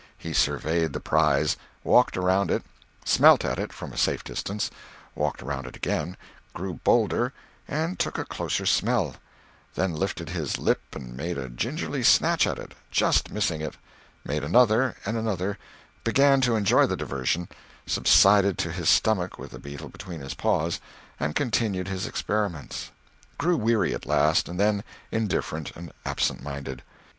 He surveyed the prize; walked around it; smelt at it from a safe distance; walked around it again; grew bolder, and took a closer smell; then lifted his lip and made a gingerly snatch at it, just missing it; made another, and another; began to enjoy the diversion; subsided to his stomach with the beetle between his paws, and continued his experiments; grew weary at last, and then indifferent and absent minded.